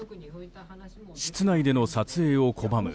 室内での撮影を拒む